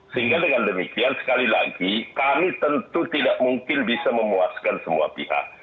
sehingga dengan demikian sekali lagi kami tentu tidak mungkin bisa memuaskan semua pihak